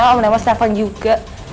om nama snafang juga